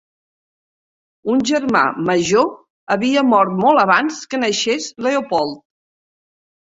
Un germà major havia mort molt abans que naixés Leopold.